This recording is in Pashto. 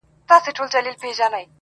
ګڼي خوږو خوږو يارانو بۀ مې خپه وهله,